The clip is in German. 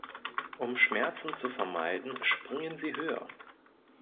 Um Schmerzen zu vermeiden, springen sie höher.